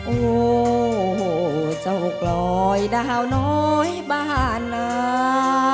โอ้โหเจ้ากลอยดาวน้อยบ้านนา